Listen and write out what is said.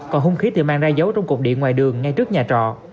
còn hung khí thì mang ra dấu trong cục điện ngoài đường ngay trước nhà trọ